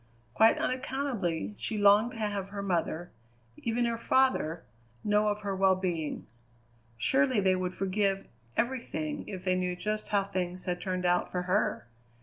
Quite unaccountably, she longed to have her mother, even her father, know of her wellbeing. Surely they would forgive everything if they knew just how things had turned out for her!